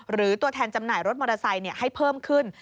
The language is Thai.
ตัวแทนจำหน่ายรถมอเตอร์ไซค์ให้เพิ่มขึ้น